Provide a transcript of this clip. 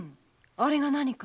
あれが何か？